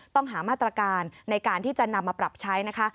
ต้องหามาตรการในการที่จะนำมาปรับใช้นะคะ